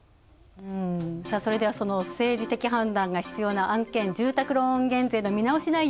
それでは、その政治的判断が必要な案件、住宅ローン減税の見直し内容